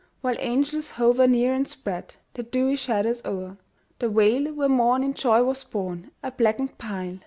While angels hover near and spread Their dewy shadows o'er The vale where morn in joy was born A blackened pile!